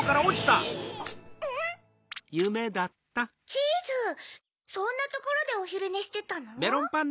チーズそんなところでおひるねしてたの？